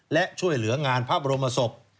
และช่วยเหลืองานพระบรมศพ